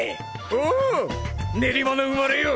おう練馬の生まれよ！